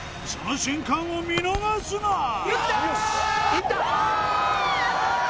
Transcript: その瞬間を見逃すな！